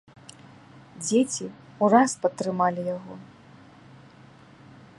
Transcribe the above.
Дзеці ўраз падтрымалі яго.